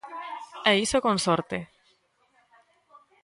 E iso con sorte.